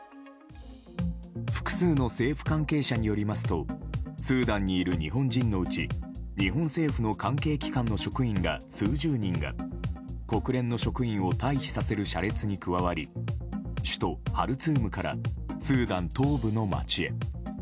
複数の政府関係者によりますとスーダンにいる日本人のうち日本政府の関係機関の職員ら数十人が国連の職員を退避させる車列に加わり首都ハルツームからスーダン東部の街へ。